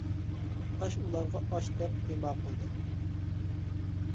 تاش ئۇلارغا ئاچ دەپ ئىما قىلدى.